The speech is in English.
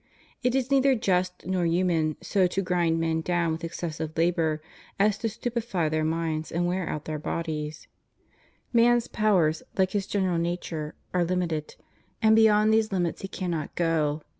It is neither just nor human so to grind men down with excessive labor as to stupefy their minds and wear out their bodies, Man's powers, hke his general nature, are limited, and beyond these limits he cannot go.